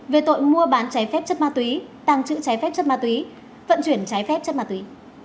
về tội mua bán trái phép chất ma túy tăng trữ trái phép chất ma túy vận chuyển trái phép chất ma túy